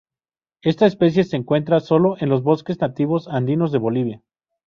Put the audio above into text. Esta especie se encuentra sólo en los bosques nativos andinos de Bolivia.